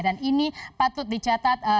dan ini patut dicatat